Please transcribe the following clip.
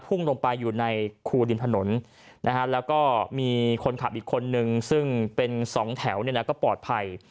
พุ่งลงไปอยู่ในครูดินถนนนะฮะแล้วก็มีคนขับอีกคนนึงซึ่งเป็นสองแถวเนี่ยนะก็ปลอดภัย